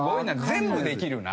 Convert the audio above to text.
全部できるな。